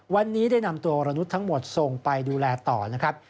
วันนี้ได้นำตัววรนุษย์ทั้งหมดส่งไปดูแลต่อนะครับ